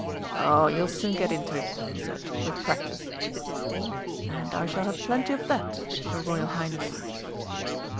"Oh, you'll soon get into it," he said, "with practice." "And I shall have plenty of that, your Royal Highness."